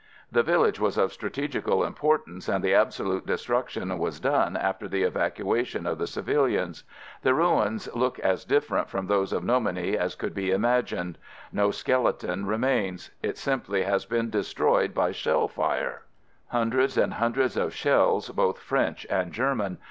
The village was of strate gical importance and the absolute destruc tion was done after the evacuation of the civilians. The ruins look as different from those of Nomeny as could be imagined. No skeleton remains; it simply has been destroyed by shell fire, hundreds and hun FIELD SERVICE 141 dreds of shells, both French and German.